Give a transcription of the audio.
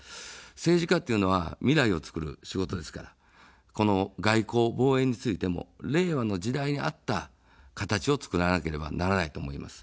政治家というのは未来をつくる仕事ですから、この外交、防衛についても令和の時代に合った形をつくらなければならないと思います。